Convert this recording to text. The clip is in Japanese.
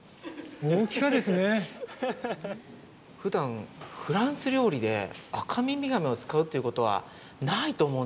普段フランス料理でアカミミガメを使うということはないと思うんですよね。